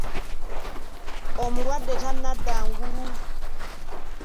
Omulwadde tanadda ngulu.